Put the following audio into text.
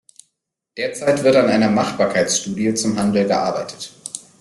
Derzeit wird an einer Machbarkeitsstudie zum Handel gearbeitet.